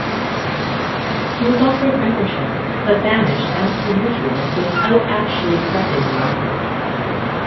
He was offered membership but vanished, as per usual, without actually accepting the offer.